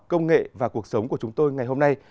công nghệ và cuộc sống của chúng tôi ngày hôm nay